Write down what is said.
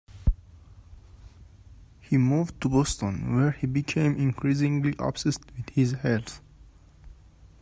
He moved to Boston, where he became increasingly obsessed with his health.